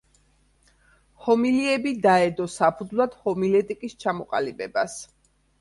ჰომილიები დაედო საფუძვლად ჰომილეტიკის ჩამოყალიბებას.